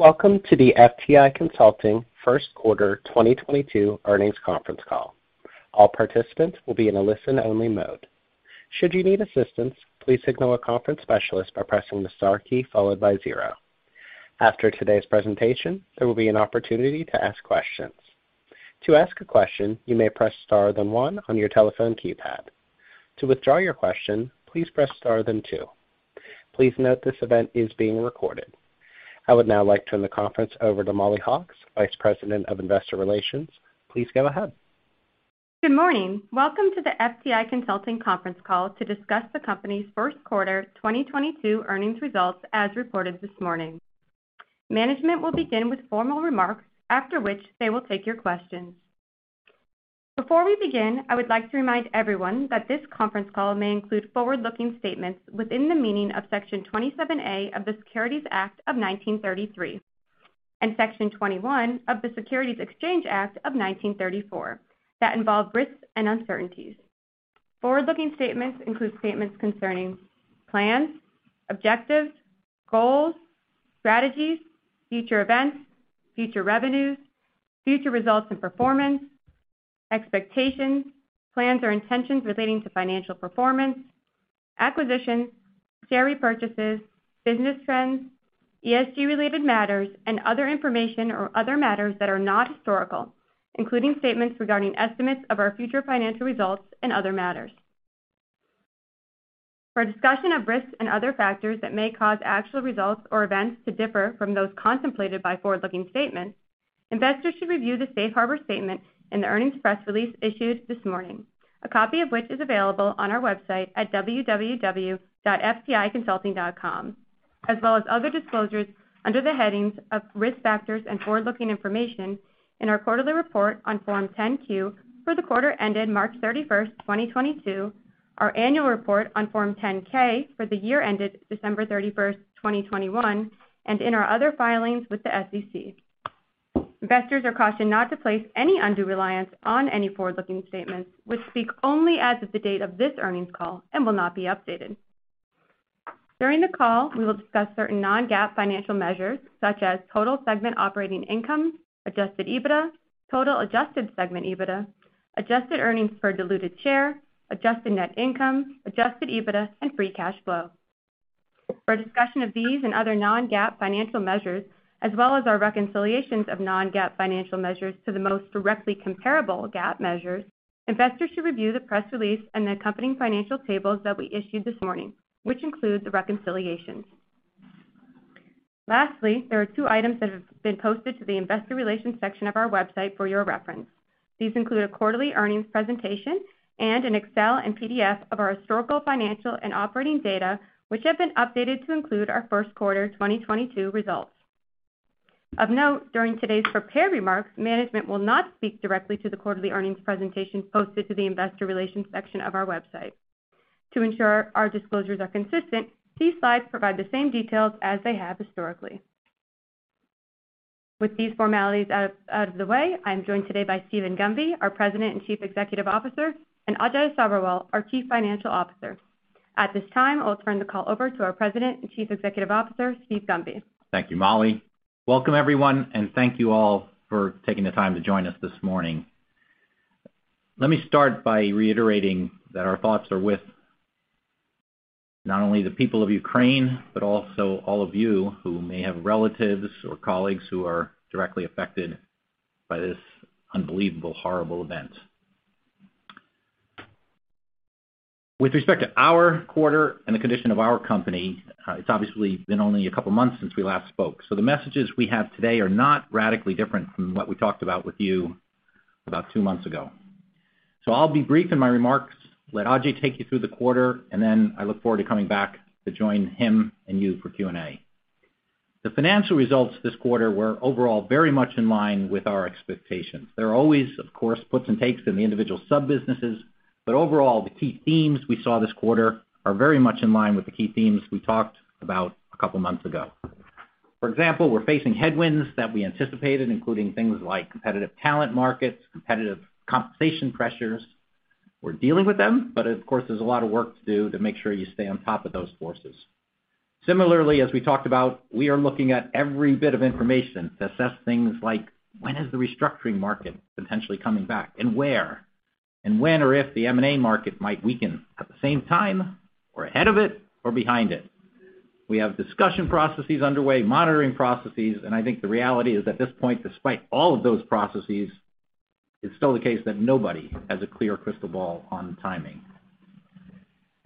Welcome to the FTI Consulting First Quarter 2022 Earnings Conference Call. All participants will be in a listen-only mode. Should you need assistance, please signal a conference specialist by pressing the star key followed by zero. After today's presentation, there will be an opportunity to ask questions. To ask a question, you may press star then one on your telephone keypad. To withdraw your question, please press star then two. Please note this event is being recorded. I would now like to turn the conference over to Mollie Hawkes, Vice President of Investor Relations. Please go ahead. Good morning. Welcome to the FTI Consulting conference call to discuss the company's first quarter 2022 earnings results as reported this morning. Management will begin with formal remarks after which they will take your questions. Before we begin, I would like to remind everyone that this conference call may include forward-looking statements within the meaning of Section 27A of the Securities Act of 1933, and Section 21E of the Securities Exchange Act of 1934 that involve risks and uncertainties. Forward-looking statements include statements concerning plans, objectives, goals, strategies, future events, future revenues, future results and performance, expectations, plans or intentions relating to financial performance, acquisitions, share repurchases, business trends, ESG-related matters, and other information or other matters that are not historical, including statements regarding estimates of our future financial results and other matters. For a discussion of risks and other factors that may cause actual results or events to differ from those contemplated by forward-looking statements, investors should review the safe harbor statement in the earnings press release issued this morning a copy of which is available on our website at www.fticonsulting.com, as well as other disclosures under the headings of Risk Factors and Forward-Looking Information in our quarterly report on Form 10-Q for the quarter ended March 31st, 2022, our annual report on Form 10-K for the year ended December 31st, 2021, and in our other filings with the SEC. Investors are cautioned not to place any undue reliance on any forward-looking statements which speak only as of the date of this earnings call and will not be updated. During the call, we will discuss certain non-GAAP financial measures such as total segment operating income, adjusted EBITDA, total adjusted segment EBITDA, adjusted earnings per diluted share, adjusted net income, adjusted EBITDA, and free cash flow. For a discussion of these and other non-GAAP financial measures, as well as our reconciliations of non-GAAP financial measures to the most directly comparable GAAP measures, investors should review the press release and the accompanying financial tables that we issued this morning, which includes the reconciliations. Lastly, there are two items that have been posted to the investor relations section of our website for your reference. These include a quarterly earnings presentation and an Excel and PDF of our historical, financial, and operating data, which have been updated to include our first quarter 2022 results. Of note, during today's prepared remarks, management will not speak directly to the quarterly earnings presentation posted to the investor relations section of our website. To ensure our disclosures are consistent, these slides provide the same details as they have historically. With these formalities out of the way, I am joined today by Steven Gunby, our President and Chief Executive Officer, and Ajay Sabherwal, our Chief Financial Officer. At this time, I'll turn the call over to our President and Chief Executive Officer, Steven Gunby. Thank you, Mollie. Welcome, everyone, and thank you all for taking the time to join us this morning. Let me start by reiterating that our thoughts are with not only the people of Ukraine, but also all of you who may have relatives or colleagues who are directly affected by this unbelievable, horrible event. With respect to our quarter and the condition of our company, it's obviously been only a couple months since we last spoke, so the messages we have today are not radically different from what we talked about with you about 2 months ago. I'll be brief in my remarks, let Ajay take you through the quarter, and then I look forward to coming back to join him and you for Q&A. The financial results this quarter were overall very much in line with our expectations. There are always, of course, puts and takes in the individual sub-businesses, but overall, the key themes we saw this quarter are very much in line with the key themes we talked about a couple months ago. For example, we're facing headwinds that we anticipated, including things like competitive talent markets, competitive compensation pressures. We're dealing with them, but of course, there's a lot of work to do to make sure you stay on top of those forces. Similarly, as we talked about, we are looking at every bit of information to assess things like when is the restructuring market potentially coming back and where, and when or if the M&A market might weaken at the same time or ahead of it or behind it. We have discussion processes underway, monitoring processes, and I think the reality is, at this point, despite all of those processes, it's still the case that nobody has a clear crystal ball on timing.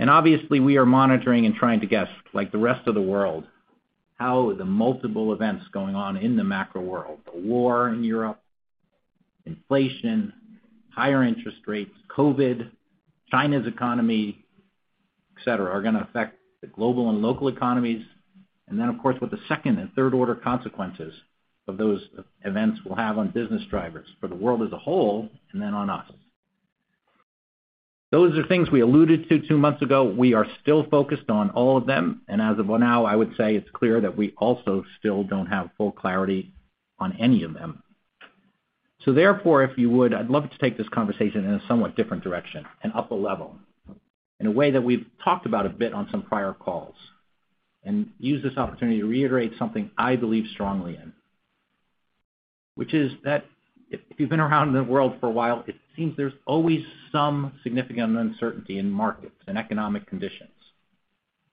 Obviously, we are monitoring and trying to guess, like the rest of the world, how the multiple events going on in the macro world, the war in Europe, inflation, higher interest rates, COVID, China's economy, et cetera, are gonna affect the global and local economies. Then, of course, what the second and third order consequences of those events will have on business drivers for the world as a whole, and then on us. Those are things we alluded to 2 months ago. We are still focused on all of them, and as of now, I would say it's clear that we also still don't have full clarity on any of them. Therefore, if you would, I'd love to take this conversation in a somewhat different direction and up a level in a way that we've talked about a bit on some prior calls and use this opportunity to reiterate something I believe strongly in, which is that if you've been around the world for a while, it seems there's always some significant uncertainty in markets and economic conditions.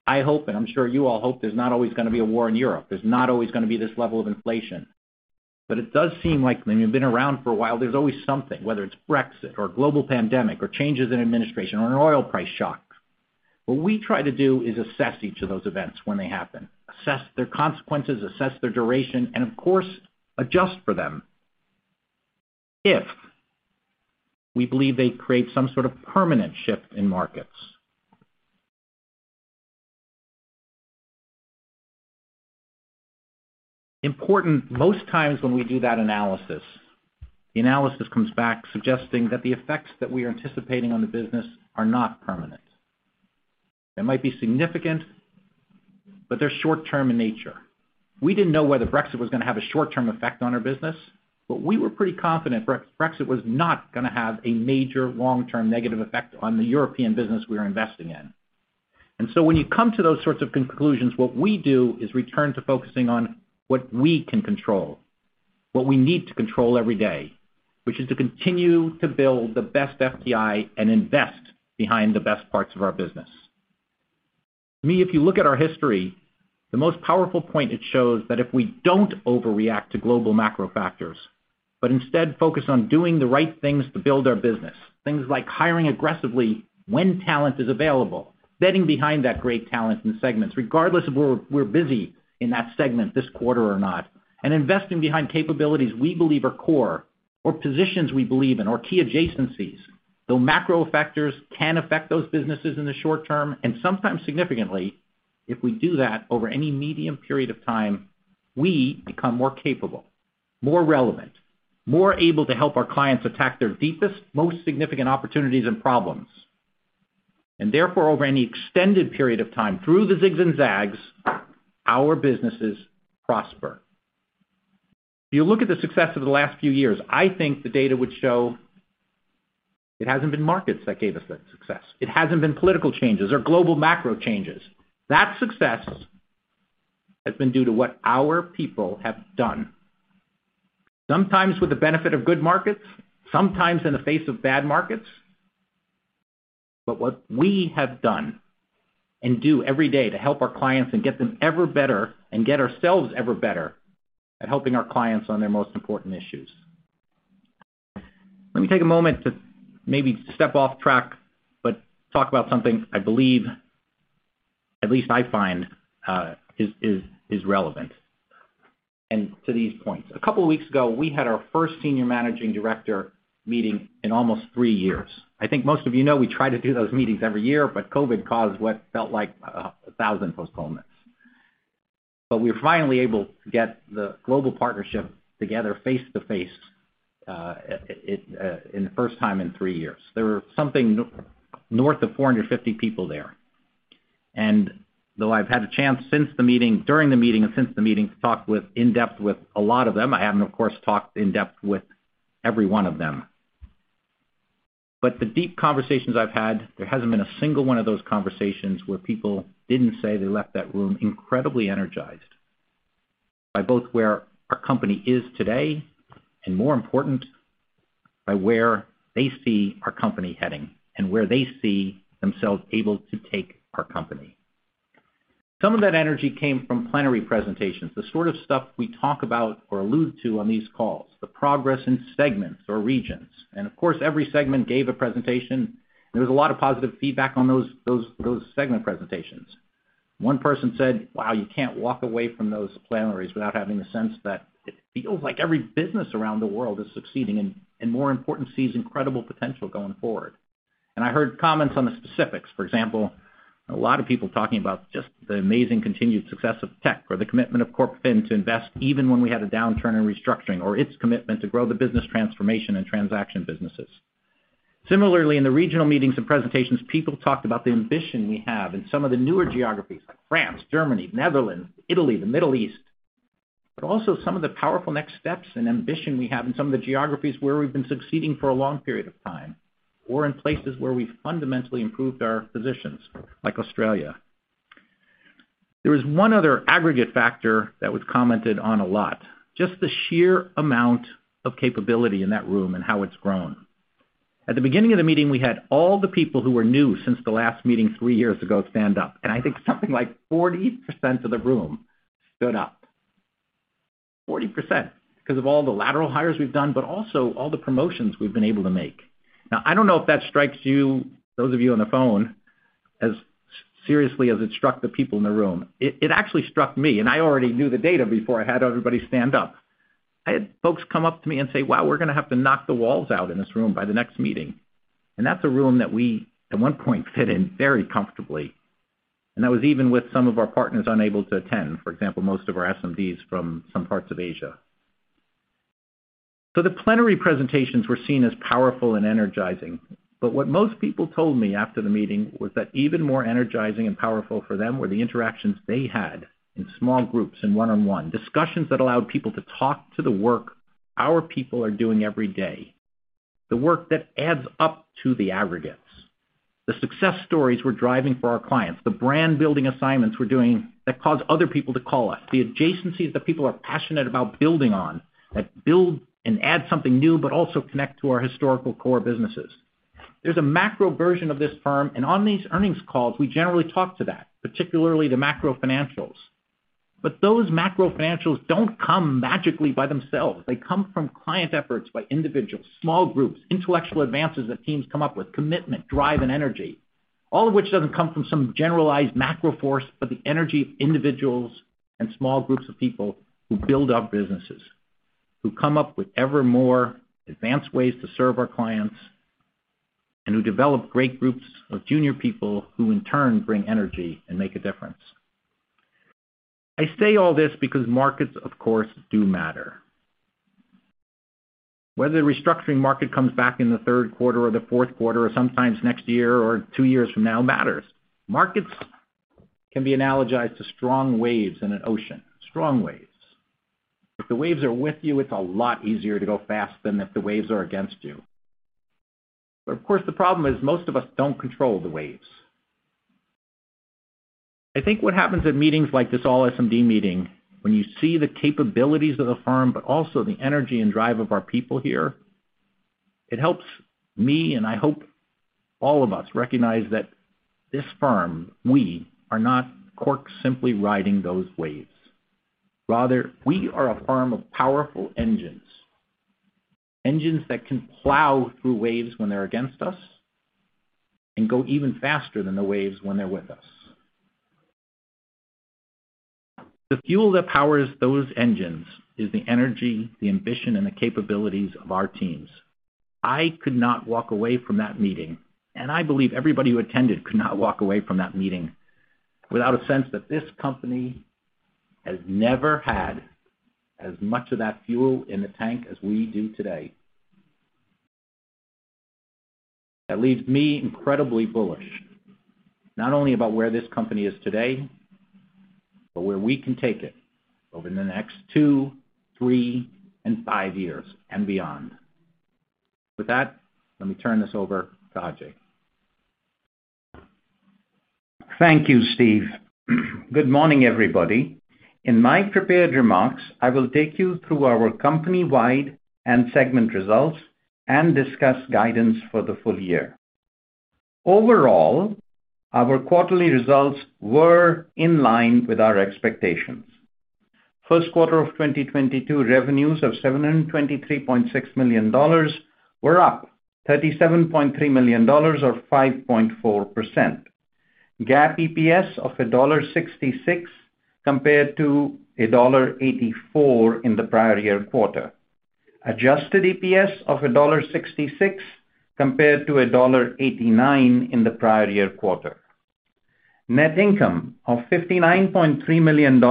I hope, and I'm sure you all hope there's not always going to be a war in Europe. There's not always going to be this level of inflation. It does seem like when you've been around for a while, there's always something, whether it's Brexit or global pandemic or changes in administration or an oil price shock. What we try to do is assess each of those events when they happen, assess their consequences, assess their duration, and of course, adjust for them if we believe they create some sort of permanent shift in markets. Importantly, most times when we do that analysis, the analysis comes back suggesting that the effects that we are anticipating on the business are not permanent. They might be significant, but they're short-term in nature. We didn't know whether Brexit was going to have a short-term effect on our business, but we were pretty confident Brexit was not going to have a major long-term negative effect on the European business we are investing in. When you come to those sorts of conclusions, what we do is return to focusing on what we can control, what we need to control every day, which is to continue to build the best FTI and invest behind the best parts of our business. To me, if you look at our history, the most powerful point it shows that if we don't overreact to global macro factors, but instead focus on doing the right things to build our business, things like hiring aggressively when talent is available, betting behind that great talent in segments, regardless of whether we're busy in that segment this quarter or not, and investing behind capabilities we believe are core or positions we believe in or key adjacencies, though macro factors can affect those businesses in the short term and sometimes significantly, if we do that over any medium period of time, we become more capable, more relevant, more able to help our clients attack their deepest, most significant opportunities and problems. Therefore, over any extended period of time through the zigs and zags, our businesses prosper. If you look at the success of the last few years, I think the data would show it hasn't been markets that gave us that success. It hasn't been political changes or global macro changes. That success has been due to what our people have done, sometimes with the benefit of good markets, sometimes in the face of bad markets. What we have done and do every day to help our clients and get them ever better and get ourselves ever better at helping our clients on their most important issues. Let me take a moment to maybe step off track, but talk about something I believe, at least I find is relevant and to these points. A couple of weeks ago, we had our first senior managing director meeting in almost 3 years. I think most of you know we try to do those meetings every year, but COVID caused what felt like 1,000 postponements. We were finally able to get the global partnership together face-to-face, in the first time in 3 years. There were something north of 450 people there. Though I've had a chance since the meeting, during the meeting and since the meeting to talk in-depth with a lot of them, I haven't, of course, talked in-depth with every one of them. The deep conversations I've had, there hasn't been a single one of those conversations where people didn't say they left that room incredibly energized by both where our company is today and more important, by where they see our company heading and where they see themselves able to take our company. Some of that energy came from plenary presentations, the sort of stuff we talk about or allude to on these calls, the progress in segments or regions. Of course, every segment gave a presentation, and there was a lot of positive feedback on those segment presentations. One person said, "Wow, you can't walk away from those plenaries without having the sense that it feels like every business around the world is succeeding, and more important, sees incredible potential going forward." I heard comments on the specifics. For example, a lot of people talking about just the amazing continued success of tech or the commitment of Corp Fin to invest even when we had a downturn in restructuring or its commitment to grow the business transformation and transaction businesses. Similarly, in the regional meetings and presentations, people talked about the ambition we have in some of the newer geographies like France, Germany, Netherlands, Italy, the Middle East, but also some of the powerful next steps and ambition we have in some of the geographies where we've been succeeding for a long period of time or in places where we fundamentally improved our positions, like Australia. There was one other aggregate factor that was commented on a lot just the sheer amount of capability in that room and how it's grown. At the beginning of the meeting, we had all the people who were new since the last meeting 3 years ago stand up, and I think something like 40% of the room stood up. 40% because of all the lateral hires we've done but also all the promotions we've been able to make. Now, I don't know if that strikes you, those of you on the phone, as seriously as it struck the people in the room. It actually struck me, and I already knew the data before I had everybody stand up. I had folks come up to me and say, "Wow, we're going to have to knock the walls out in this room by the next meeting." That's a room that we, at one point, fit in very comfortably. That was even with some of our partners unable to attend, for example, most of our SMDs from some parts of Asia. The plenary presentations were seen as powerful and energizing. What most people told me after the meeting was that even more energizing and powerful for them were the interactions they had in small groups and one-on-one, discussions that allowed people to talk to the work our people are doing every day. The work that adds up to the aggregates. The success stories we're driving for our clients, the brand-building assignments we're doing that cause other people to call us, the adjacencies that people are passionate about building on, that build and add something new, but also connect to our historical core businesses. There's a macro version of this firm, and on these earnings calls, we generally talk to that, particularly the macro financials. Those macro financials don't come magically by themselves. They come from client efforts by individuals, small groups, intellectual advances that teams come up with, commitment, drive, and energy, all of which doesn't come from some generalized macro force but the energy of individuals and small groups of people who build our businesses, who come up with ever more advanced ways to serve our clients, and who develop great groups of junior people who in turn bring energy and make a difference. I say all this because markets, of course, do matter. Whether the restructuring market comes back in the third quarter or the fourth quarter or sometimes next year or 2 years from now matters. Markets can be analogized to strong waves in an ocean, strong waves. If the waves are with you, it's a lot easier to go fast than if the waves are against you. Of course, the problem is most of us don't control the waves. I think what happens in meetings like this all SMD meeting, when you see the capabilities of the firm, but also the energy and drive of our people here, it helps me, and I hope all of us recognize that this firm, we, are not corks simply riding those waves. Rather, we are a firm of powerful engines that can plow through waves when they're against us and go even faster than the waves when they're with us. The fuel that powers those engines is the energy, the ambition, and the capabilities of our teams. I could not walk away from that meeting, and I believe everybody who attended could not walk away from that meeting without a sense that this company has never had as much of that fuel in the tank as we do today. That leaves me incredibly bullish, not only about where this company is today, but where we can take it over the next 2, 3, and 5 years and beyond. With that, let me turn this over to Ajay. Thank you, Steve. Good morning, everybody. In my prepared remarks, I will take you through our company-wide and segment results and discuss guidance for the full year. Overall, our quarterly results were in line with our expectations. First quarter of 2022 revenues of $723.6 million were up $37.3 million or 5.4%. GAAP EPS of $1.66 compared to $1.84 in the prior year quarter. Adjusted EPS of $1.66 compared to $1.89 in the prior year quarter. Net income of $59.3 million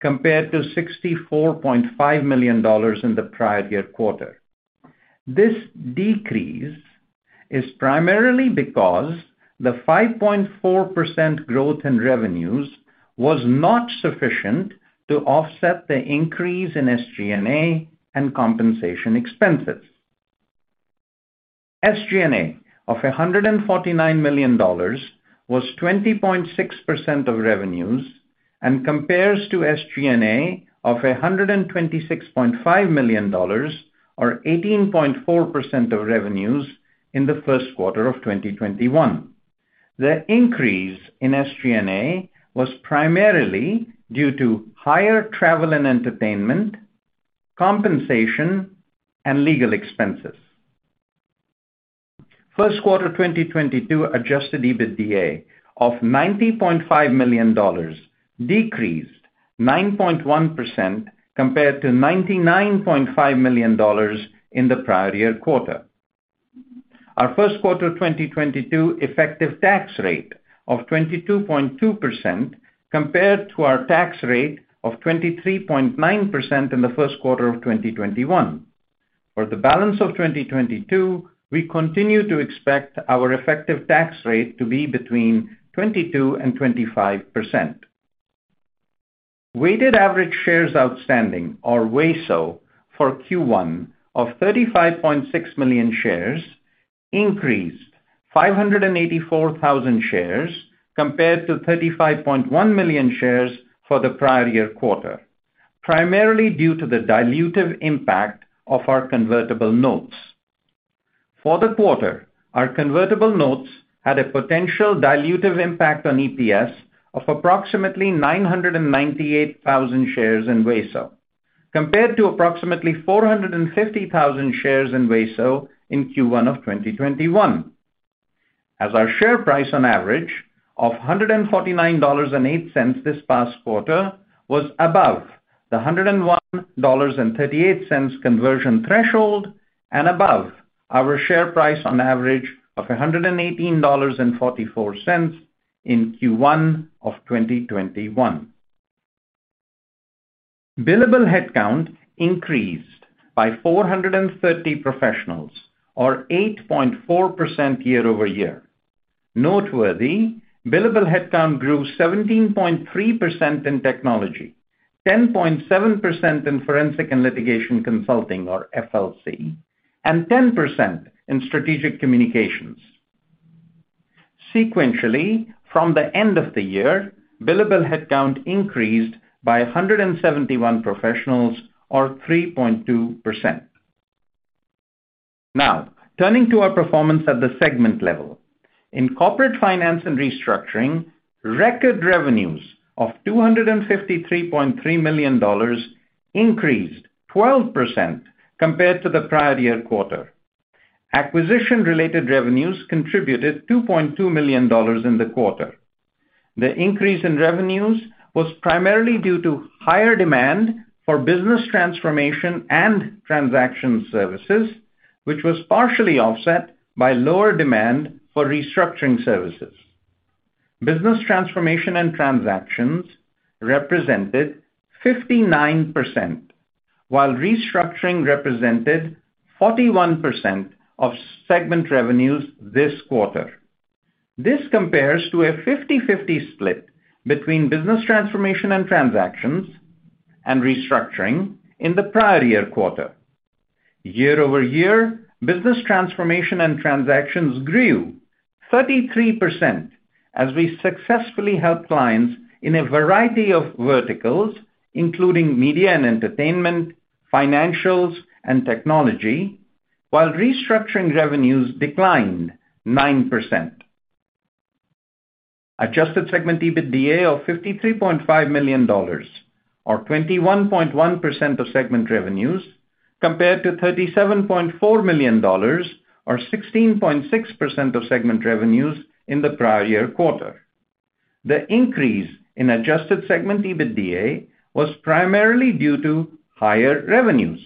compared to $64.5 million in the prior year quarter. This decrease is primarily because the 5.4% growth in revenues was not sufficient to offset the increase in SG&A and compensation expenses. SG&A of $149 million was 20.6% of revenues and compares to SG&A of $126.5 million or 18.4% of revenues in the first quarter of 2021. The increase in SG&A was primarily due to higher travel and entertainment, compensation, and legal expenses. First quarter 2022 adjusted EBITDA of $90.5 million decreased 9.1% compared to $99.5 million in the prior year quarter. Our first quarter 2022 effective tax rate of 22.2% compared to our tax rate of 23.9% in the first quarter of 2021. For the balance of 2022, we continue to expect our effective tax rate to be between 22% and 25%. Weighted average shares outstanding or WASO for Q1 of 35.6 million shares increased 584,000 shares compared to 35.1 million shares for the prior year quarter, primarily due to the dilutive impact of our convertible notes. For the quarter, our convertible notes had a potential dilutive impact on EPS of approximately 998,000 shares in WASO, compared to approximately 450,000 shares in WASO in Q1 of 2021. As our share price on average of $149.08 this past quarter was above the $101.38 conversion threshold and above our share price on average of $118.44 in Q1 of 2021. Billable headcount increased by 430 professionals or 8.4% year-over-year. Noteworthy, billable headcount grew 17.3% in Technology, 10.7% in Forensic and Litigation Consulting or FLC, and 10% in Strategic Communications. Sequentially, from the end of the year, billable headcount increased by 171 professionals or 3.2%. Now, turning to our performance at the segment level. In Corporate Finance & Restructuring, record revenues of $253.3 million increased 12% compared to the prior-year quarter. Acquisition-related revenues contributed $2.2 million in the quarter. The increase in revenues was primarily due to higher demand for business transformation and transaction services, which was partially offset by lower demand for restructuring services. Business transformation and transactions represented 59%, while restructuring represented 41% of segment revenues this quarter. This compares to a 50/50 split between business transformation and transactions and restructuring in the prior year quarter. Year-over-year, business transformation and transactions grew 33% as we successfully helped clients in a variety of verticals, including media and entertainment, financials, and technology, while restructuring revenues declined 9%. Adjusted segment EBITDA of $53.5 million or 21.1% of segment revenues compared to $37.4 million or 16.6% of segment revenues in the prior year quarter. The increase in adjusted segment EBITDA was primarily due to higher revenues,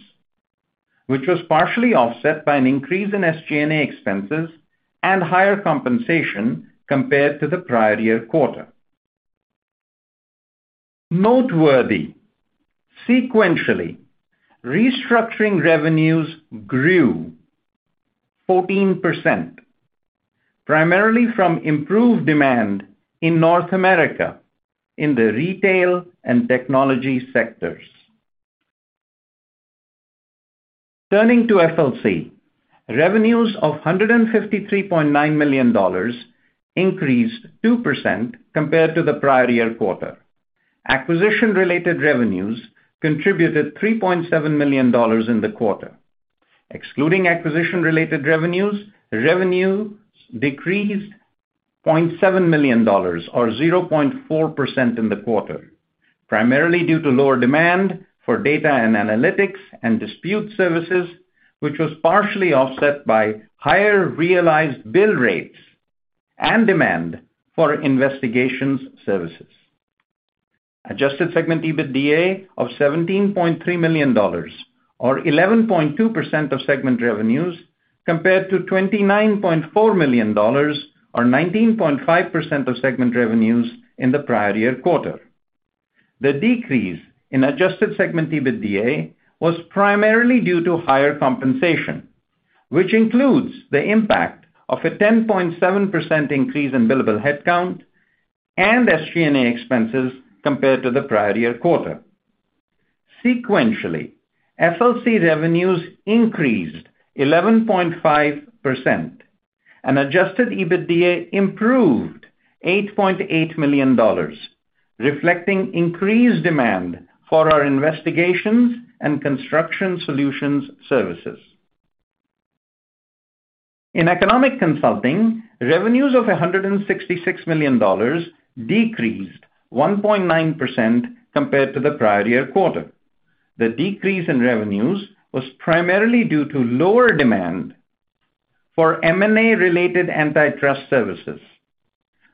which was partially offset by an increase in SG&A expenses and higher compensation compared to the prior year quarter. Noteworthy, sequentially, restructuring revenues grew 14%, primarily from improved demand in North America in the retail and technology sectors. Turning to FLC, revenues of $153.9 million increased 2% compared to the prior year quarter. Acquisition-related revenues contributed $3.7 million in the quarter. Excluding acquisition-related revenues decreased $0.7 million or 0.4% in the quarter, primarily due to lower demand for data and analytics and dispute services, which was partially offset by higher realized bill rates and demand for investigations services. Adjusted segment EBITDA of $17.3 million or 11.2% of segment revenues compared to $29.4 million or 19.5% of segment revenues in the prior year quarter. The decrease in adjusted segment EBITDA was primarily due to higher compensation, which includes the impact of a 10.7% increase in billable headcount and SG&A expenses compared to the prior year quarter. Sequentially, FLC revenues increased 11.5% and adjusted EBITDA improved $8.8 million, reflecting increased demand for our investigations and construction solutions services. In Economic Consulting, revenues of $166 million decreased 1.9% compared to the prior year quarter. The decrease in revenues was primarily due to lower demand for M&A-related antitrust services,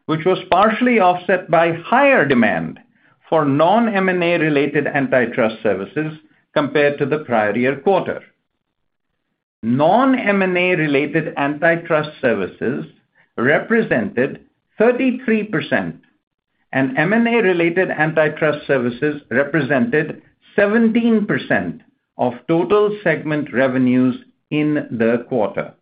which was partially offset by higher demand for non-M&A-related antitrust services compared to the prior year quarter. Non-M&A-related antitrust services represented 33%, and M&A-related antitrust services represented 17% of total segment revenues in the quarter.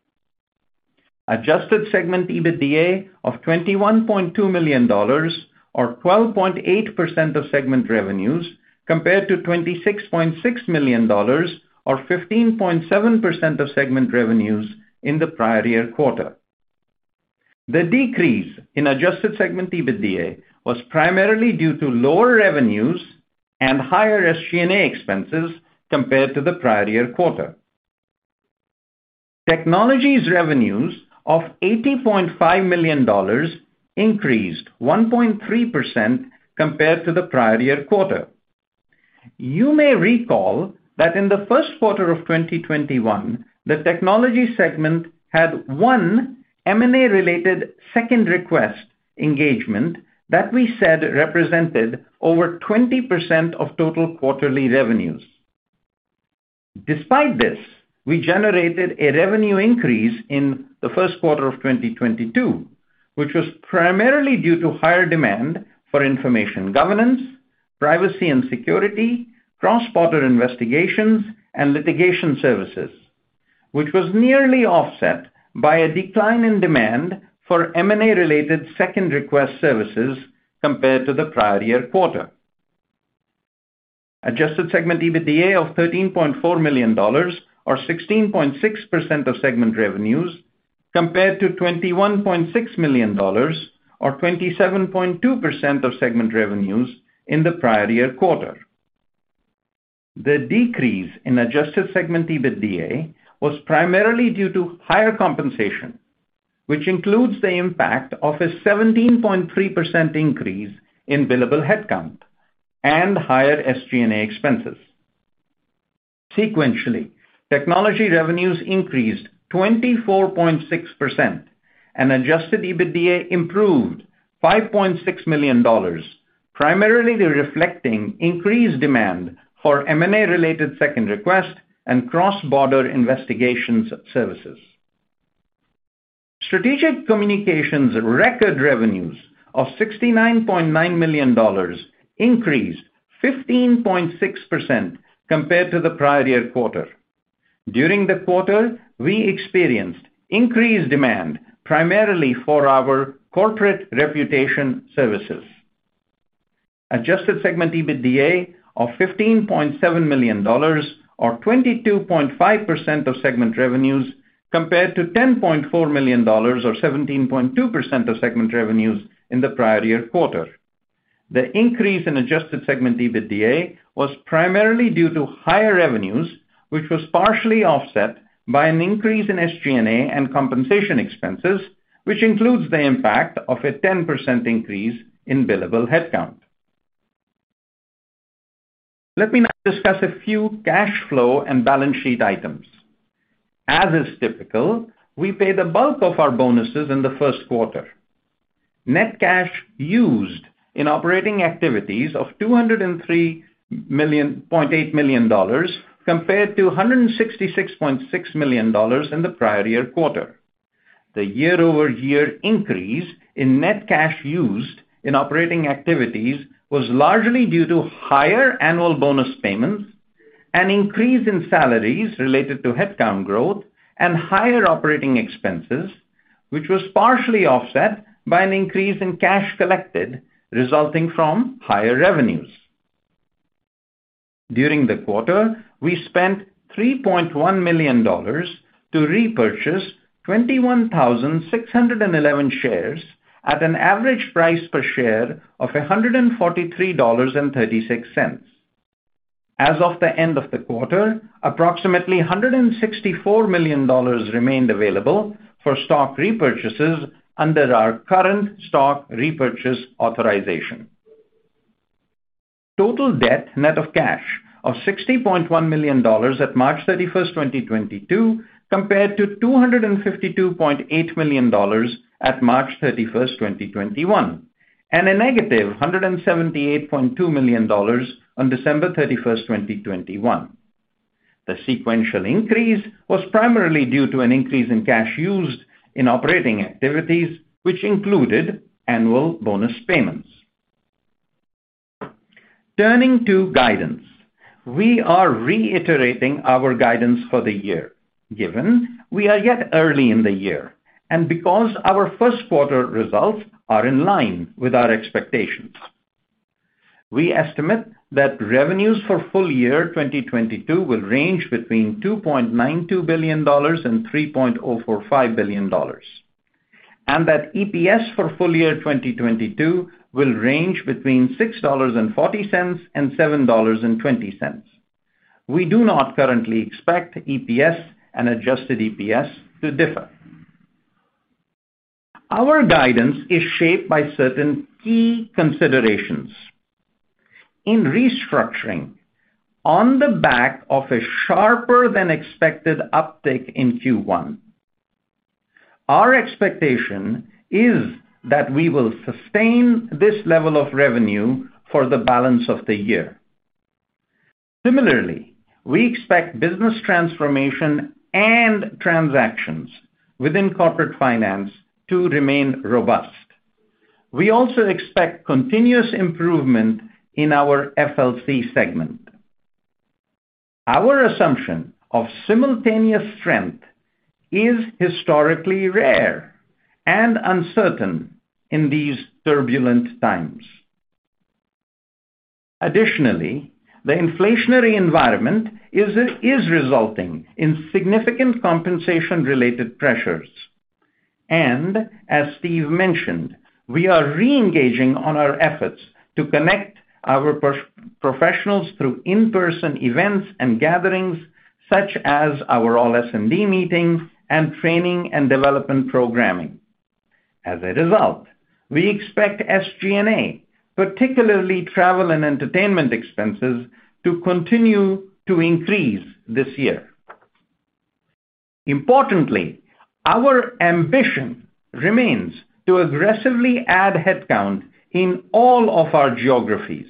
Adjusted segment EBITDA of $21.2 million or 12.8% of segment revenues compared to $26.6 million or 15.7% of segment revenues in the prior year quarter. The decrease in adjusted segment EBITDA was primarily due to lower revenues and higher SG&A expenses compared to the prior year quarter. Technology revenues of $80.5 million increased 1.3% compared to the prior year quarter. You may recall that in the first quarter of 2021, the Technology segment had one M&A-related second request engagement that we said represented over 20% of total quarterly revenues. Despite this, we generated a revenue increase in the first quarter of 2022, which was primarily due to higher demand for information governance, privacy and security, cross-border investigations, and litigation services, which was nearly offset by a decline in demand for M&A-related second request services compared to the prior year quarter. Adjusted segment EBITDA of $13.4 million or 16.6% of segment revenues compared to $21.6 million or 27.2% of segment revenues in the prior year quarter. The decrease in adjusted segment EBITDA was primarily due to higher compensation, which includes the impact of a 17.3% increase in billable headcount and higher SG&A expenses. Sequentially, technology revenues increased 24.6% and adjusted EBITDA improved $5.6 million, primarily reflecting increased demand for M&A-related second request and cross-border investigations services. Strategic Communications recorded revenues of $69.9 million, increased 15.6% compared to the prior-year quarter. During the quarter, we experienced increased demand primarily for our corporate reputation services. Adjusted segment EBITDA of $15.7 million or 22.5% of segment revenues compared to $10.4 million or 17.2% of segment revenues in the prior-year quarter. The increase in adjusted segment EBITDA was primarily due to higher revenues, which was partially offset by an increase in SG&A and compensation expenses, which includes the impact of a 10% increase in billable headcount. Let me now discuss a few cash flow and balance sheet items. As is typical, we pay the bulk of our bonuses in the first quarter. Net cash used in operating activities of $203.8 million compared to $166.6 million in the prior year quarter. The year-over-year increase in net cash used in operating activities was largely due to higher annual bonus payments, an increase in salaries related to headcount growth, and higher operating expenses, which was partially offset by an increase in cash collected resulting from higher revenues. During the quarter, we spent $3.1 million to repurchase 21,611 shares at an average price per share of $143.36. As of the end of the quarter, approximately $164 million remained available for stock repurchases under our current stock repurchase authorization. Total debt net of cash of $60 million at March 31st, 2022 compared to $252.8 million at March 31st, 2021, and -$178.2 million on December 31st, 2021. The sequential increase was primarily due to an increase in cash used in operating activities, which included annual bonus payments. Turning to guidance, we are reiterating our guidance for the year, given we are yet early in the year and because our first quarter results are in line with our expectations. We estimate that revenues for full year 2022 will range between $2.92 billion and $3.045 billion, and that EPS for full year 2022 will range between $6.40 billion and $7.20 billion. We do not currently expect EPS and adjusted EPS to differ. Our guidance is shaped by certain key considerations. In restructuring on the back of a sharper than expected uptick in Q1, our expectation is that we will sustain this level of revenue for the balance of the year. Similarly, we expect business transformation and transactions within corporate finance to remain robust. We also expect continuous improvement in our FLC segment. Our assumption of simultaneous strength is historically rare and uncertain in these turbulent times. Additionally, the inflationary environment is resulting in significant compensation-related pressures. As Steve mentioned, we are re-engaging on our efforts to connect our professionals through in-person events and gatherings such as our all SMD meetings and training and development programming. As a result, we expect SG&A, particularly travel and entertainment expenses, to continue to increase this year. Importantly, our ambition remains to aggressively add headcount in all of our geographies.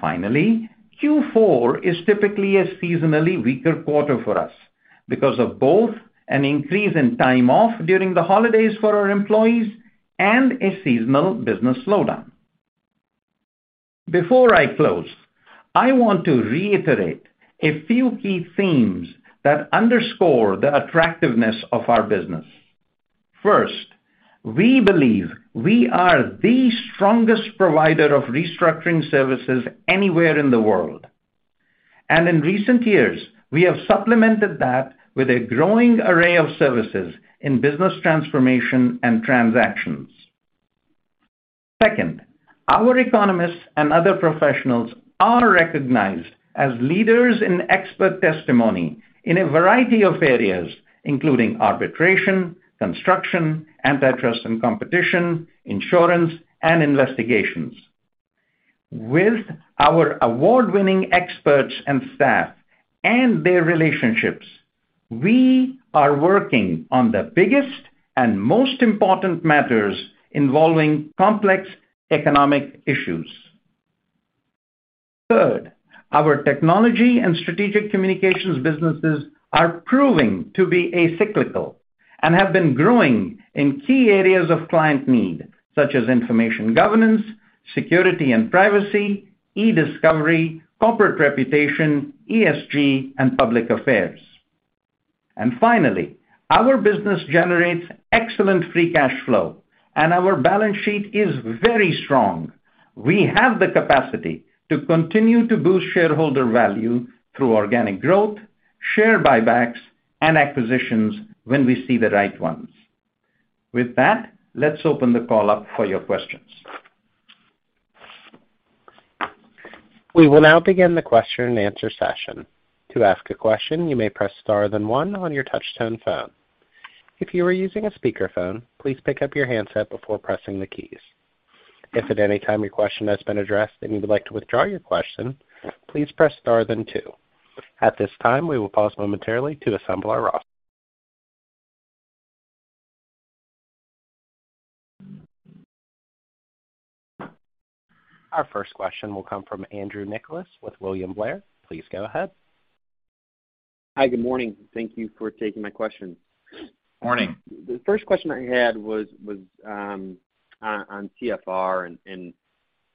Finally, Q4 is typically a seasonally weaker quarter for us because of both an increase in time off during the holidays for our employees and a seasonal business slowdown. Before I close, I want to reiterate a few key themes that underscore the attractiveness of our business. First, we believe we are the strongest provider of restructuring services anywhere in the world. In recent years, we have supplemented that with a growing array of services in business transformation and transactions. Second, our economists and other professionals are recognized as leaders in expert testimony in a variety of areas, including arbitration, construction, antitrust and competition, insurance, and investigations. With our award-winning experts and staff and their relationships, we are working on the biggest and most important matters involving complex economic issues. Third, our Technology and Strategic Communications businesses are proving to be less cyclical and have been growing in key areas of client need, such as information governance, security and privacy, e-discovery, corporate reputation, ESG, and public affairs. Finally, our business generates excellent free cash flow, and our balance sheet is very strong. We have the capacity to continue to boost shareholder value through organic growth, share buybacks, and acquisitions when we see the right ones. With that, let's open the call up for your questions. We will now begin the question-and-answer session. To ask a question, you may press star, then one on your touch-tone phone. If you are using a speakerphone, please pick up your handset before pressing the keys. If at any time your question has been addressed and you would like to withdraw your question, please press star, then two. At this time, we will pause momentarily to assemble our queue. Our first question will come from Andrew Nicholas with William Blair. Please go ahead. Hi. Good morning. Thank you for taking my question. Morning. The first question I had was on CFR, and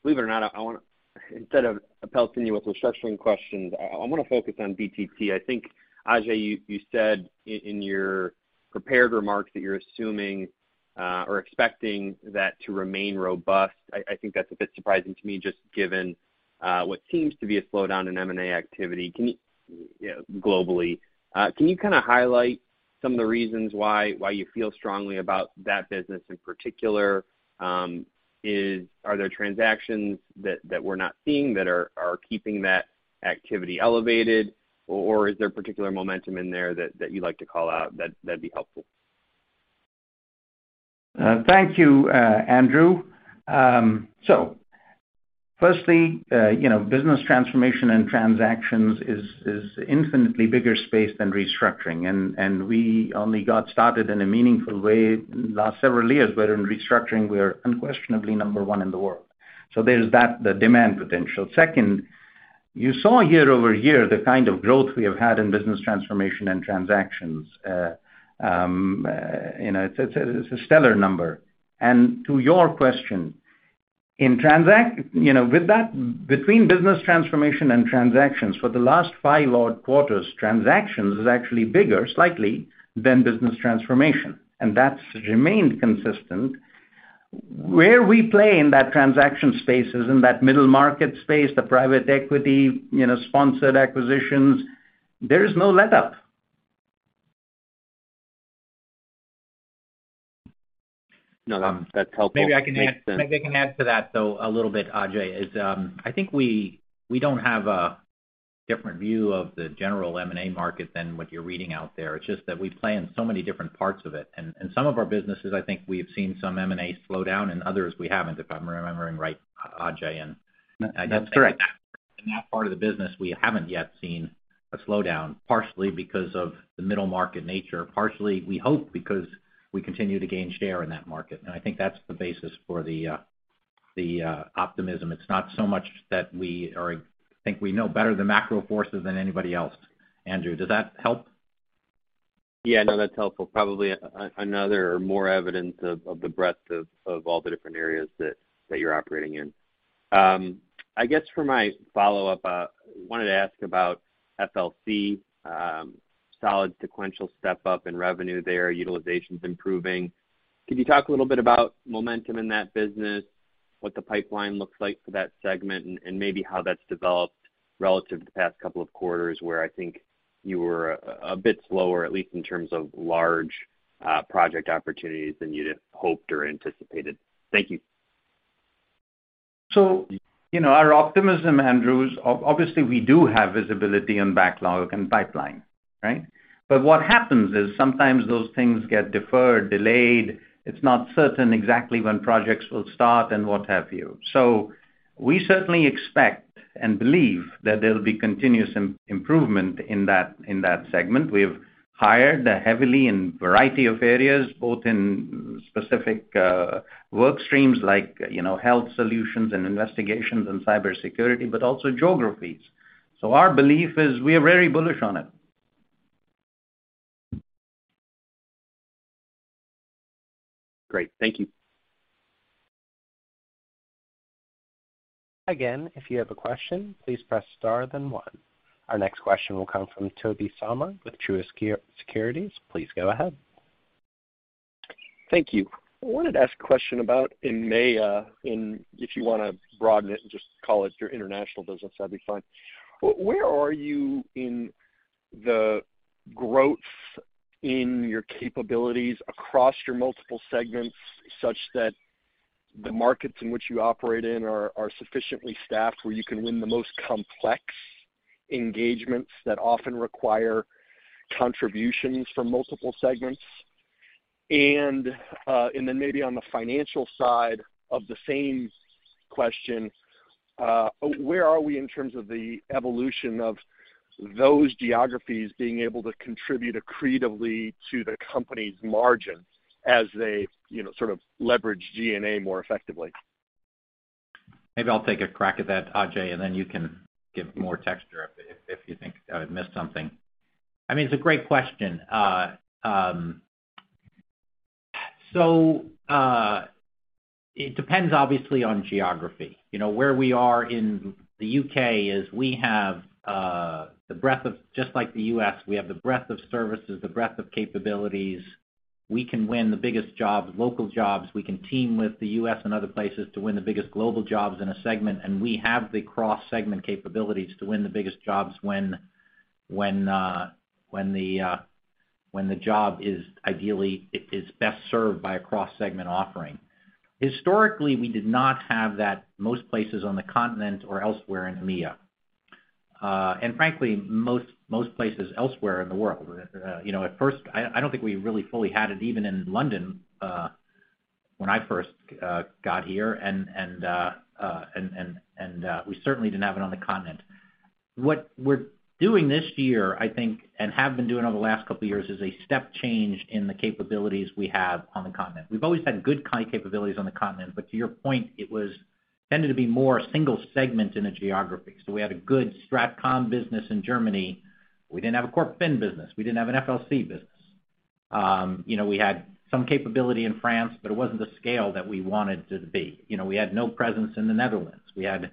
believe it or not, I want to instead of bombarding you with restructuring questions, I wanna focus on BTT. I think, Ajay, you said in your prepared remarks that you're assuming or expecting that to remain robust. I think that's a bit surprising to me just given what seems to be a slowdown in M&A activity globally. Can you kinda highlight some of the reasons why you feel strongly about that business in particular? Are there transactions that we're not seeing that are keeping that activity elevated? Or is there particular momentum in there that you'd like to call out? That'd be helpful. Thank you, Andrew. Firstly, you know, business transformation and transactions is infinitely bigger space than restructuring, and we only got started in a meaningful way last several years. In restructuring, we are unquestionably number one in the world. There's that, the demand potential. Second, you saw year-over-year the kind of growth we have had in business transformation and transactions. You know, it's a stellar number. To your question, you know, with that, between business transformation and transactions for the last five odd quarters, transactions is actually bigger, slightly, than business transformation, and that's remained consistent. Where we play in that transaction space is in that middle market space, the private equity, you know, sponsored acquisitions. There is no letup. No, that's helpful. Makes sense. Maybe I can add to that, though, a little bit. Ajay, I think we don't have a different view of the general M&A market than what you're reading out there. It's just that we play in so many different parts of it. Some of our businesses, I think we have seen some M&A slow down, and others we haven't, if I'm remembering right, Ajay. That's correct. In that part of the business, we haven't yet seen a slowdown, partially because of the middle market nature, partially, we hope, because we continue to gain share in that market. I think that's the basis for the optimism. It's not so much that we think we know better the macro forces than anybody else. Andrew, does that help? Yeah. No, that's helpful. Probably another or more evidence of the breadth of all the different areas that you're operating in. I guess for my follow-up, wanted to ask about FLC, solid sequential step up in revenue there, utilization's improving. Could you talk a little bit about momentum in that business, what the pipeline looks like for that segment, and maybe how that's developed relative to the past couple of quarters where I think you were a bit slower, at least in terms of large project opportunities than you'd hoped or anticipated? Thank you. You know, our optimism, Andrew, is obviously we do have visibility on backlog and pipeline, right? What happens is sometimes those things get deferred, delayed. It's not certain exactly when projects will start and what have you. We certainly expect and believe that there'll be continuous improvement in that, in that segment. We've hired heavily in variety of areas, both in specific work streams like, you know, health solutions and investigations and cybersecurity, but also geographies. Our belief is we are very bullish on it. Great. Thank you. Again, if you have a question, please press star then one. Our next question will come from Tobey Sommer with Truist Securities. Please go ahead. Thank you. I wanted to ask a question. If you wanna broaden it and just call it your international business, that'd be fine. Where are you in the growth in your capabilities across your multiple segments such that the markets in which you operate in are sufficiently staffed where you can win the most complex engagements that often require contributions from multiple segments? Maybe on the financial side of the same question where are we in terms of the evolution of those geographies being able to contribute accretively to the company's margin as they, you know, sort of leverage G&A more effectively? Maybe I'll take a crack at that, Ajay, and then you can give more texture if you think I missed something. I mean, it's a great question. It depends obviously on geography. You know, where we are in the U.K., just like the U.S., we have the breadth of services, the breadth of capabilities. We can win the biggest jobs, local jobs. We can team with the U.S. and other places to win the biggest global jobs in a segment, and we have the cross-segment capabilities to win the biggest jobs when the job ideally is best served by a cross-segment offering. Historically, we did not have that most places on the continent or elsewhere in EMEA, and frankly, most places elsewhere in the world. You know, at first, I don't think we really fully had it even in London, when I first got here and we certainly didn't have it on the continent. What we're doing this year, I think, and have been doing over the last couple of years, is a step change in the capabilities we have on the continent. We've always had good client capabilities on the continent, but to your point, it tended to be more single segment in a geography. We had a good StratCom business in Germany. We didn't have a CorpFin business. We didn't have an FLC business. You know, we had some capability in France, but it wasn't the scale that we wanted it to be. You know, we had no presence in the Netherlands. We had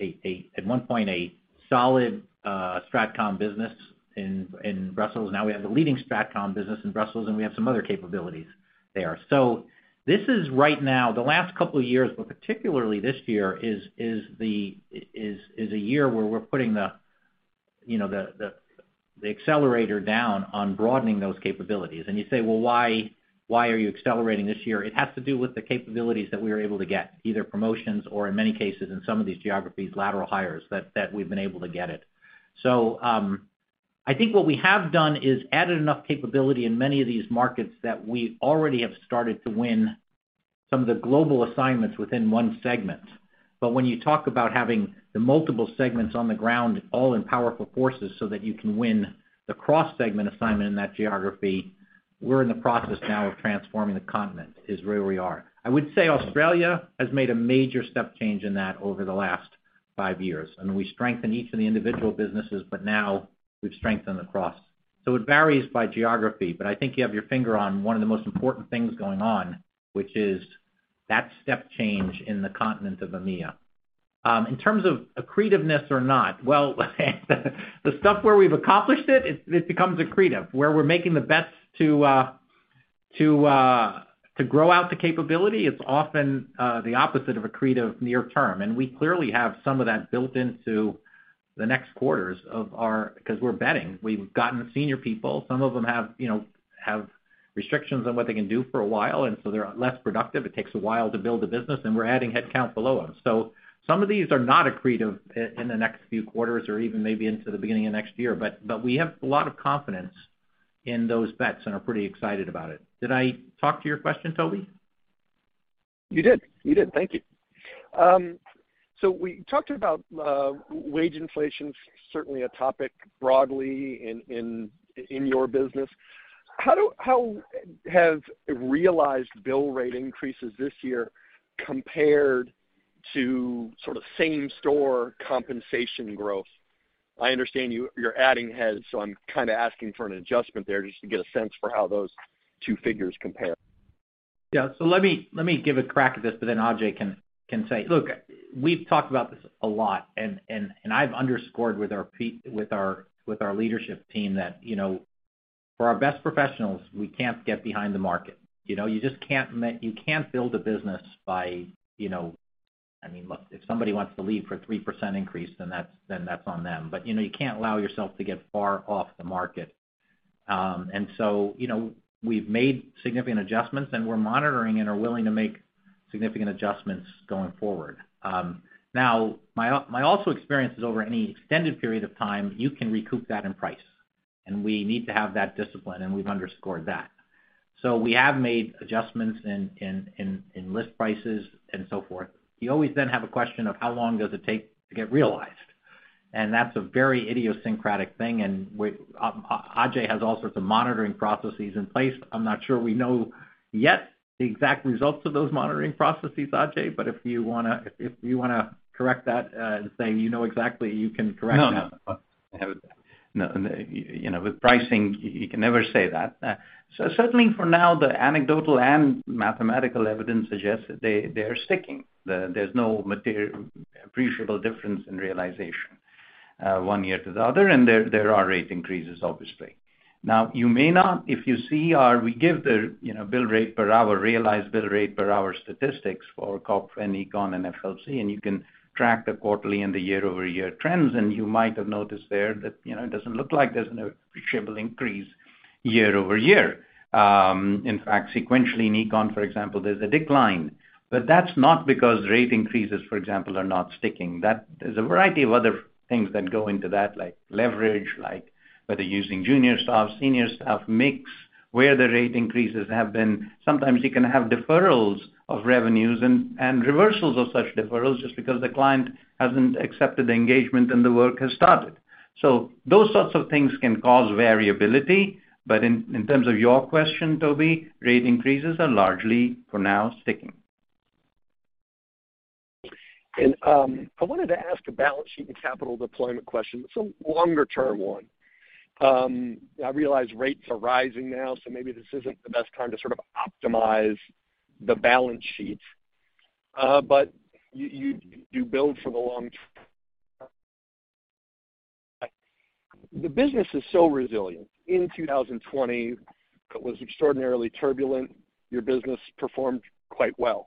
a At one point, a solid StratCom business in Brussels. Now we have the leading StratCom business in Brussels, and we have some other capabilities there. This is right now, the last couple of years, but particularly this year is a year where we're putting the accelerator down on broadening those capabilities. You say, "Well, why are you accelerating this year?" It has to do with the capabilities that we were able to get, either promotions or in many cases, in some of these geographies lateral hires, that we've been able to get in. I think what we have done is added enough capability in many of these markets that we already have started to win some of the global assignments within one segment. When you talk about having the multiple segments on the ground, all in powerful forces, so that you can win the cross-segment assignment in that geography we're in the process now of transforming the continent, is where we are. I would say Australia has made a major step change in that over the last 5 years and we strengthen each of the individual businesses but now we've strengthened the cross. It varies by geography but I think you have your finger on one of the most important things going on, which is that step change in the continent of EMEA. In terms of accretiveness or not, well, the stuff where we've accomplished it becomes accretive. Where we're making the bets to grow out the capability, it's often the opposite of accretive near term. We clearly have some of that built into the next quarters of our, 'cause we're betting. We've gotten senior people. Some of them have, you know, restrictions on what they can do for a while, and so they're less productive. It takes a while to build a business and we're adding headcount below them. Some of these are not accretive in the next few quarters or even maybe into the beginning of next year. We have a lot of confidence in those bets and are pretty excited about it. Did I talk to your question, Tobey? You did. Thank you. We talked about wage inflation, certainly a topic broadly in your business. How have realized bill rate increases this year compared to sort of same store compensation growth? I understand you're adding heads, so I'm kinda asking for an adjustment there just to get a sense for how those two figures compare. Yeah. Let me give a crack at this, but then Ajay can say. Look, we've talked about this a lot and I've underscored with our leadership team that, you know, for our best professionals, we can't get behind the market. You know, you just can't build a business by, you know, I mean, look, if somebody wants to leave for 3% increase, then that's on them. You know, you can't allow yourself to get far off the market. You know, we've made significant adjustments and we're monitoring and are willing to make significant adjustments going forward. Now, my own experience is over any extended period of time, you can recoup that in price, and we need to have that discipline, and we've underscored that. We have made adjustments in list prices and so forth. You always then have a question of how long does it take to get realized? That's a very idiosyncratic thing, and Ajay has all sorts of monitoring processes in place. I'm not sure we know yet the exact results of those monitoring processes, Ajay, but if you wanna correct that, and say you know exactly, you can correct that. No, no. You know, with pricing, you can never say that. So certainly for now, the anecdotal and mathematical evidence suggests that they are sticking. There's no material appreciable difference in realization one year to the other, and there are rate increases, obviously. Now, you may not. If you see our we give the, you know, bill rate per hour, realized bill rate per hour statistics for Corp and Econ and FLC, and you can track the quarterly and the year-over-year trends, and you might have noticed there that, you know, it doesn't look like there's an appreciable increase year-over-year. In fact, sequentially in Econ, for example, there's a decline. That's not because rate increases, for example, are not sticking. There's a variety of other things that go into that, like leverage, like whether using junior staff, senior staff mix, where the rate increases have been. Sometimes you can have deferrals of revenues and reversals of such deferrals just because the client hasn't accepted the engagement and the work has started. Those sorts of things can cause variability. In terms of your question, Tobey, rate increases are largely, for now, sticking. I wanted to ask a balance sheet and capital deployment question. It's a longer-term one. I realize rates are rising now, so maybe this isn't the best time to sort of optimize the balance sheet. You build for the long term. The business is so resilient. In 2020, it was extraordinarily turbulent. Your business performed quite well.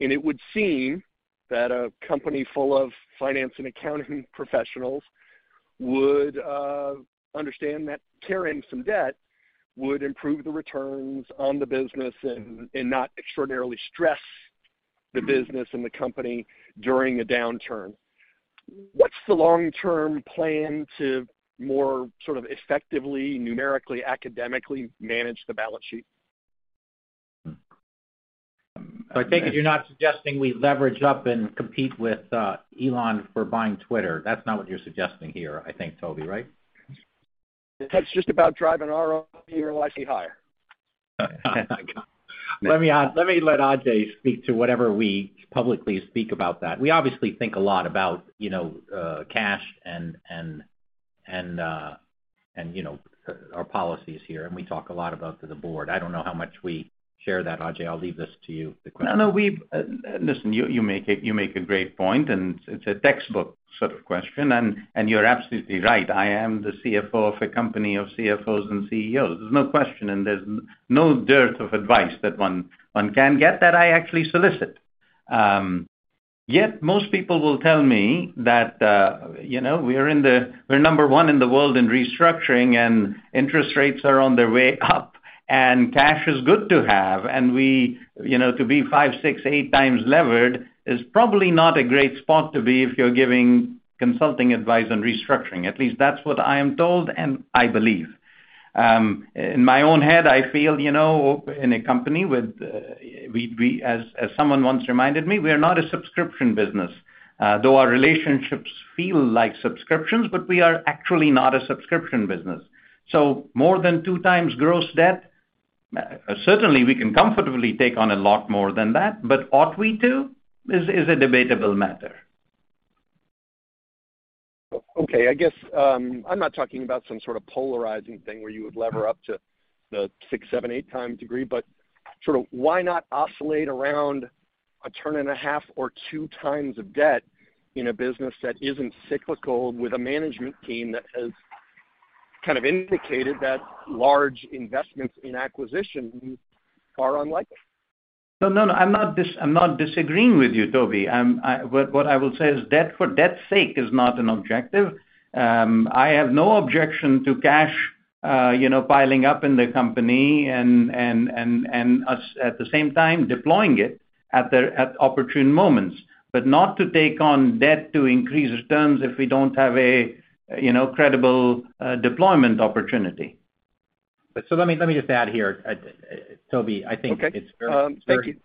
It would seem that a company full of finance and accounting professionals would understand that carrying some debt would improve the returns on the business and not extraordinarily stress the business and the company during a downturn. What's the long-term plan to more sort of effectively, numerically, academically manage the balance sheet? I take it you're not suggesting we leverage up and compete with Elon for buying Twitter. That's not what you're suggesting here, I think, Tobey, right? That's just about driving ROI likely higher. Let me let Ajay speak to whatever we publicly speak about that. We obviously think a lot about, you know, cash and, you know, our policies here, and we talk a lot about to the board. I don't know how much we share that. Ajay, I'll leave this to you, the question. Listen, you make a great point, and it's a textbook sort of question. You're absolutely right. I am the CFO of a company of CFOs and CEOs. There's no question, and there's no dearth of advice that one can get that I actually solicit. Yet most people will tell me that, you know, we're number one in the world in restructuring and interest rates are on their way up, and cash is good to have. We, you know, to be 5x, 6x, 8x levered is probably not a great spot to be if you're giving consulting advice on restructuring. At least that's what I am told, and I believe. In my own head, I feel, you know, in a company, as someone once reminded me, we are not a subscription business. Though our relationships feel like subscriptions, but we are actually not a subscription business. More than 2x gross debt, certainly we can comfortably take on a lot more than that, but ought we to is a debatable matter. I guess, I'm not talking about some sort of polarizing thing where you would lever up to the 6x, 7x, 8x degree, but sort of why not oscillate around a turn and a half or 2x of debt in a business that isn't cyclical with a management team that has kind of indicated that large investments in acquisition are unlikely? No, I'm not disagreeing with you, Tobey. What I will say is debt for debt's sake is not an objective. I have no objection to cash, you know, piling up in the company and us at the same time deploying it at opportune moments, but not to take on debt to increase returns if we don't have a, you know, credible deployment opportunity. Let me just add here. Tobey, I think it's very. Okay. Thank you.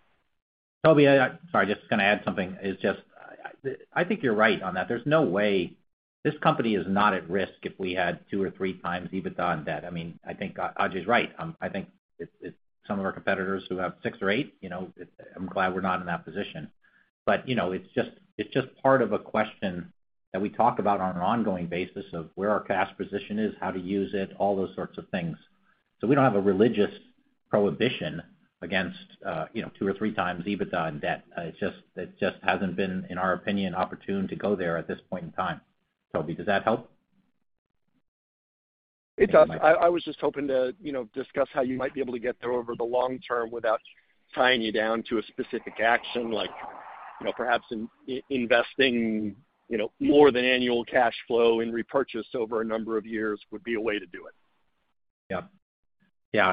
Tobey, sorry, just gonna add something. It's just, I think you're right on that. There's no way this company is not at risk if we had 2x or 3x EBITDA in debt. I mean, I think Ajay's right. I think it some of our competitors who have 6 or 8, you know, I'm glad we're not in that position. You know, it's just part of a question that we talk about on an ongoing basis of where our cash position is, how to use it, all those sorts of things. We don't have a religious prohibition against, you know, 2x or 3x EBITDA in debt. It's just, it just hasn't been, in our opinion, opportune to go there at this point in time. Tobey, does that help? It does. I was just hoping to, you know, discuss how you might be able to get there over the long term without tying you down to a specific action, like, you know, perhaps investing, you know, more than annual cash flow and repurchase over a number of years would be a way to do it. Yeah.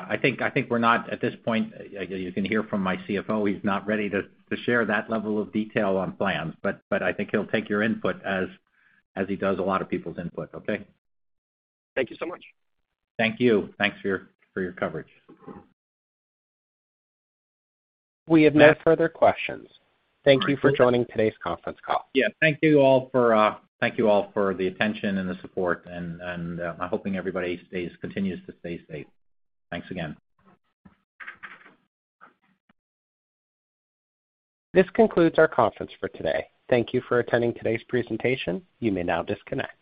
I think we're not, at this point you can hear from my CFO. He's not ready to share that level of detail on plans. I think he'll take your input as he does a lot of people's input, okay? Thank you so much. Thank you. Thanks for your coverage. We have no further questions. Thank you for joining today's conference call. Yeah. Thank you all for the attention and the support, and I'm hoping everybody continues to stay safe. Thanks again. This concludes our conference for today. Thank you for attending today's presentation. You may now disconnect.